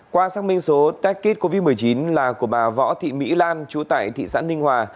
qua xác minh số test kit covid một mươi chín là của bà võ thị mỹ lan chú tại thị xã ninh hòa